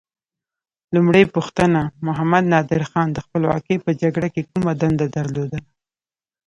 لومړۍ پوښتنه: محمد نادر خان د خپلواکۍ په جګړه کې کومه دنده درلوده؟